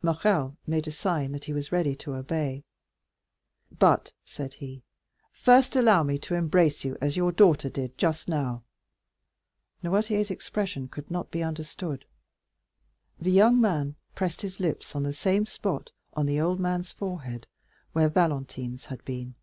Morrel made a sign that he was ready to obey. "But," said he, "first allow me to embrace you as your daughter did just now." Noirtier's expression could not be understood. The young man pressed his lips on the same spot, on the old man's forehead, where Valentine's had been.